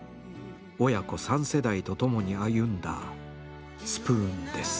親子３世代とともに歩んだスプーンです。